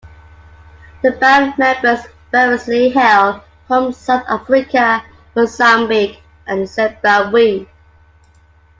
The band members variously hail from South Africa, Mozambique, and Zimbabwe.